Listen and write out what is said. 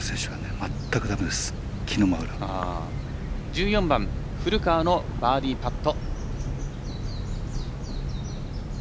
１４番杉原のバーディーパット。